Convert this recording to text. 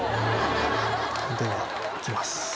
ではいきます